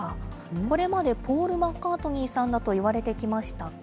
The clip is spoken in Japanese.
これまでポール・マッカートニーさんだといわれてきましたが。